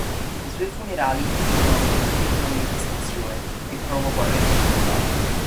I suoi funerali furono l'occasione di una manifestazione che provocò arresti e condanne.